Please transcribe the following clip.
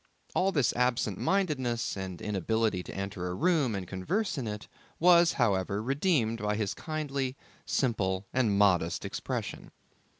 All his absent mindedness and inability to enter a room and converse in it was, however, redeemed by his kindly, simple, and modest expression.